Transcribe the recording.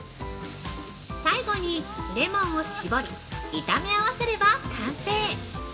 最後にレモンを搾り、炒め合わせれば完成！